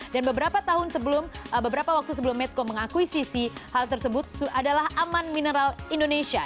dan beberapa tahun sebelum beberapa waktu sebelum medco mengakuisisi hal tersebut adalah aman mineral indonesia